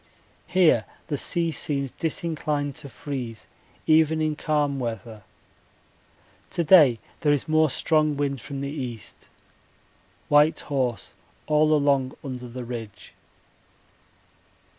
Here the sea seems disinclined to freeze even in calm weather. To day there is more strong wind from the east. White horse all along under the ridge.